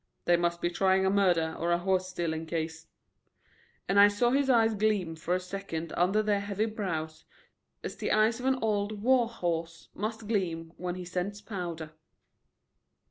"They must be trying a murder or a horse stealing case," and I saw his eyes gleam for a second under their heavy brows as the eyes of an old war horse must gleam when he scents powder.